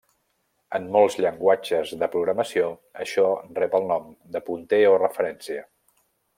En molts llenguatges de programació, això rep el nom de punter o referència.